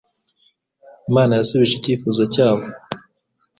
Imana yasubije icyifuzo cyabo,